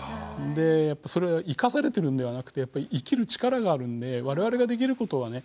でそれ生かされてるんではなくてやっぱり生きる力があるんで我々ができることはね